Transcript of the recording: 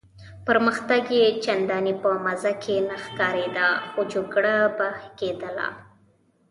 پرمختګ یې چنداني په مزه کې نه ښکارېده، خو جګړه به کېدله.